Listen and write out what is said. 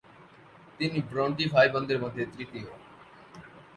তিনি ব্রন্টি ভাইবোনেদের মধ্যে তৃতীয়।